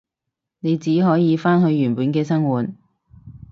我只可以返去原本嘅生活